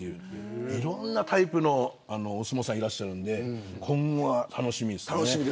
いろんなタイプのお相撲さんがいらっしゃるんで今後が楽しみです。